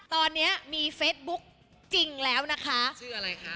ตอนนี้มีเฟซบุ๊กจริงแล้วนะคะชื่ออะไรคะ